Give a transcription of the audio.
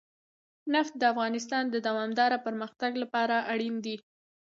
نفت د افغانستان د دوامداره پرمختګ لپاره اړین دي.